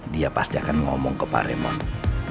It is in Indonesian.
dia pasti akan ngomong ke pak raymond